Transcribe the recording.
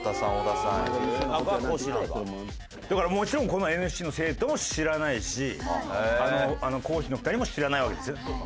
だからもちろんこのＮＳＣの生徒も知らないし講師の２人も知らないわけです。